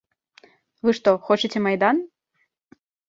Вы што, хочаце майдан?